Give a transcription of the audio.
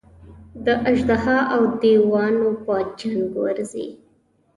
د اژدها او دېوانو په جنګ ورځي.